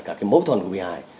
cả cái mâu thuẫn của bị hại